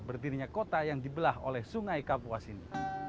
berdirinya kota yang dibelah oleh sungai kapuas ini